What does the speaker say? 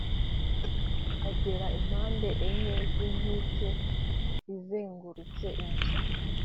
agera impande enye z inkike izengurutse inzu